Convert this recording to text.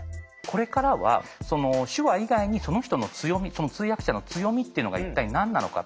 これからは手話以外にその人の強み通訳者の強みっていうのが一体何なのか。